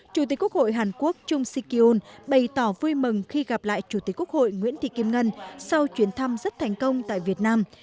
chủ tịch quốc hội hàn quốc chung sikyun bày tỏ vui mừng khi gặp lại chủ tịch quốc hội nguyễn thị kim ngân sau chuyến thăm rất thành công tại việt nam